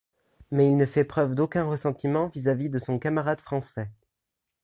Mais il ne fait preuve d'aucun ressentiment vis-à-vis de son camarade français.